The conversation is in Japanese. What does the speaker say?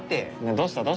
どうした？